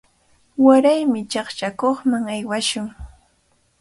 Warami chaqchakuqman aywashun.